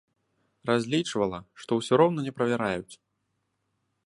Разлічвала, што ўсё роўна не правяраюць.